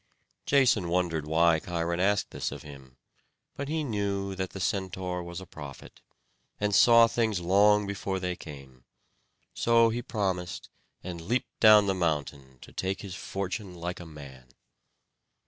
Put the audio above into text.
Jason wondered why Cheiron asked this of him; but he knew that the Centaur was a prophet, and saw things long before they came. So he promised, and leapt down the mountain, to take his fortune like a man.